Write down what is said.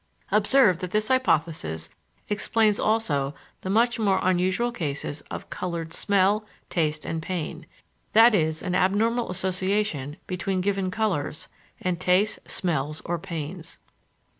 Observe that this hypothesis explains also the much more unusual cases of "colored" smell, taste, and pain; that is, an abnormal association between given colors and tastes, smells, or pains.